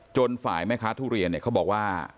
ฝ่ายแม่ค้าทุเรียนเนี่ยเขาบอกว่า